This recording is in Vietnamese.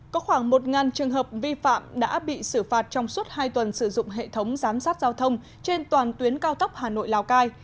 có khoảng một trường hợp vi phạm đã bị xử phạt trong suốt hai tuần sử dụng hệ thống giám sát giao thông trên toàn tuyến cao tốc hà nội lào cai